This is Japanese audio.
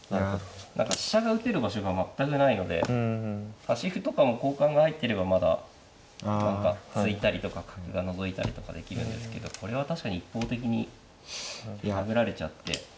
何か飛車が打てる場所が全くないので端歩とかも交換が入ってればまだ何か突いたりとか角がのぞいたりとかできるんですけどこれは確かに一方的に破られちゃって。